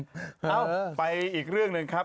เอ้าไปอีกเรื่องหนึ่งครับ